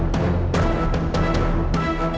kepala parut kein orang lainnya